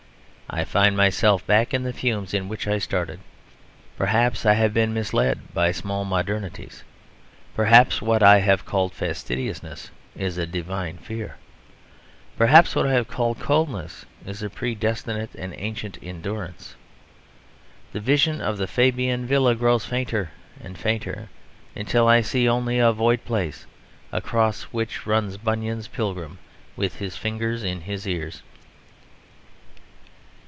I find myself back in the fumes in which I started.... Perhaps I have been misled by small modernities. Perhaps what I have called fastidiousness is a divine fear. Perhaps what I have called coldness is a predestinate and ancient endurance. The vision of the Fabian villas grows fainter and fainter, until I see only a void place across which runs Bunyan's Pilgrim with his fingers in his ears.